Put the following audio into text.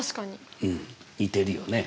似てるよね。